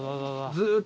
ずーっと。